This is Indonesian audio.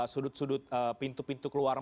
sudut sudut pintu pintu keluar